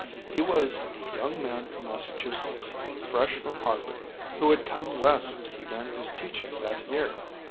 He was a young man from Massachusetts, fresh from Harvard, who had come West to begin his teaching that year.